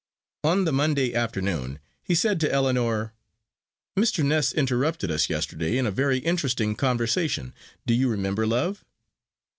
On the Monday afternoon he said to Ellinor, "Mr. Ness interrupted us yesterday in a very interesting conversation. Do you remember, love?"